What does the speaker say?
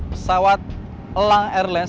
pesawat elang airlines